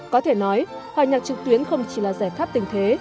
có thể nói hòa nhạc trực tuyến không chỉ là giải pháp tình thế